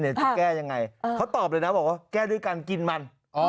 จะแก้ยังไงเขาตอบเลยนะบอกว่าแก้ด้วยการกินมัน